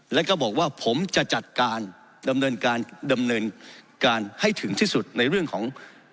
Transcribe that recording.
แล้วก็บอกว่าผมจะจัดการดำเนินการให้ถึงที่สุดในเรื่องของ